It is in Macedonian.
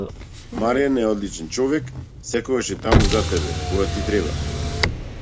Марјан е одличен човек, секогаш е таму за тебе, кога ти треба.